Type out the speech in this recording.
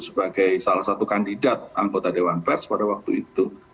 sebagai salah satu kandidat anggota dewan pers pada waktu itu